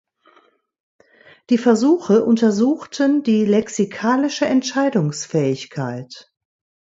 Die Versuche untersuchten die lexikalische Entscheidungsfähigkeit.